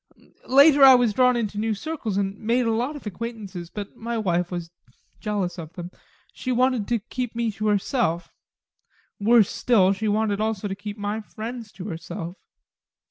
Later I was drawn into new circles and made a lot of acquaintances, but my wife was jealous of them she wanted to keep me to herself: worse still she wanted also to keep my friends to herself.